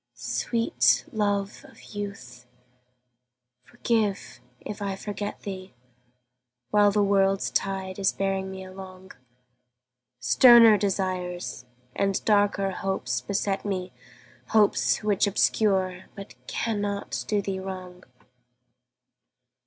Sweet love of youth, forgive if I forget thee While the world's tide is bearing me along; Sterner desires and darker hopes beset me, Hopes which obscure but cannot do thee wrong.